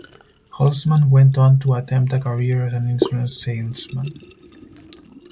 Holtzman went on to attempt a career as an insurance salesman.